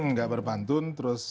nggak berpantun terus